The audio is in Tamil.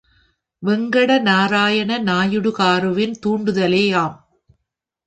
வெங்கடநாராயண நாயுடுகாருவின் தூண்டுதலேயாம்.